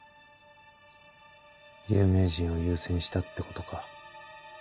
有名人を優先したってことか。